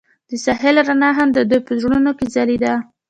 د ساحل رڼا هم د دوی په زړونو کې ځلېده.